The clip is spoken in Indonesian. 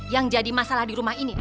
yang jadi masalah di rumah ini